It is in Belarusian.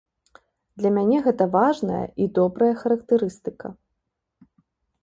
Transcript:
Для мяне гэта важная і добрая характарыстыка.